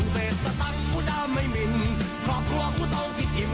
เศษตะตั้งกูจะไม่มินครอบครัวกูต้องกินอิ่ม